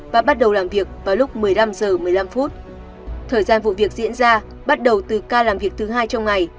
và bắt đầu làm việc vào lúc một mươi năm h một mươi năm thời gian vụ việc diễn ra bắt đầu từ ca làm việc thứ hai trong ngày